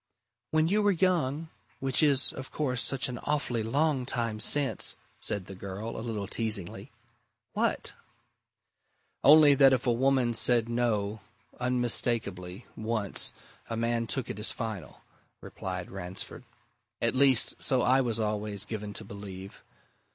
"When you were young which is, of course, such an awfully long time since!" said the girl, a little teasingly. "What?" "Only that if a woman said No unmistakably once, a man took it as final," replied Ransford. "At least so I was always given to believe.